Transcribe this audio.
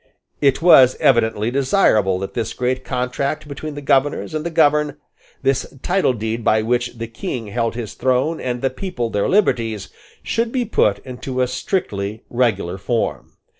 It was evidently desirable that this great contract between the governors and the governed, this titledeed by which the King held his throne and the people their liberties, should be put into a strictly regular form.